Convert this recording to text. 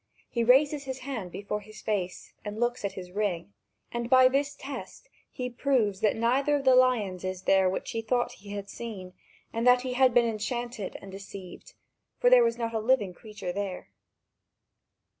He raises his hand before his face and looks at his ring, and by this test he proves that neither of the lions is there which he thought he had seen, and that he had been enchanted and deceived; for there was not a living creature there.